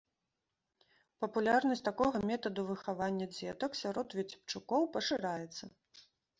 Папулярнасць такога метаду выхавання дзетак сярод віцебчукоў пашыраецца.